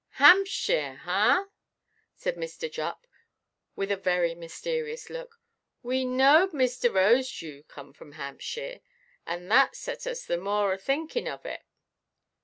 "Hampshire, ah!" said Mr. Jupp, with a very mysterious look; "we knowed Mr. Rosedew come from Hampshire, and that set us the more a–thinkinʼ of it.